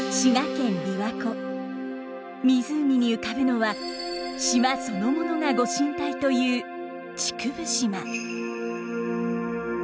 湖に浮かぶのは島そのものが御神体という竹生島。